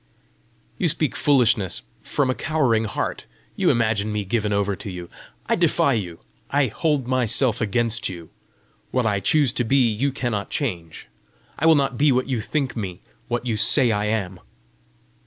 "You speak foolishness from a cowering heart! You imagine me given over to you: I defy you! I hold myself against you! What I choose to be, you cannot change. I will not be what you think me what you say I am!"